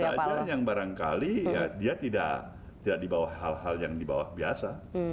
yang biasa biasa saja yang barangkali dia tidak di bawah hal hal yang di bawah biasa